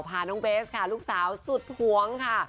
พาน้องเบสค่ะลูกสาวสุดหวงค่ะ